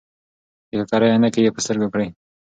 د ککرۍ عینکې یې په سترګو کړې.